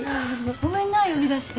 ごめんな呼び出して。